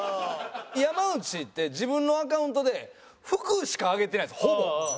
山内って自分のアカウントで服しか上げてないんですほぼ。